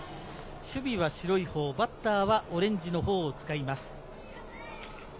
守備は白いほう、バッターはオレンジのほうを使います。